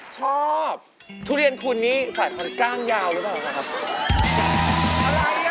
ชอบทุเรียนคุณนี้สายพันกลางยาวรู้เปล่าครับ